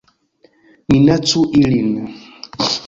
Minacu ilin